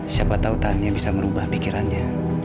siapa tau tania bisa merubah pikirannya